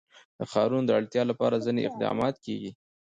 د ښارونو د اړتیاوو لپاره ځینې اقدامات کېږي.